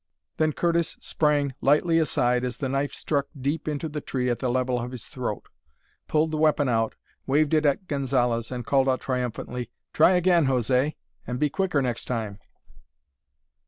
Then Curtis sprang lightly aside as the knife struck deep into the tree at the level of his throat, pulled the weapon out, waved it at Gonzalez, and called out triumphantly, "Try again, José; and be quicker next time!"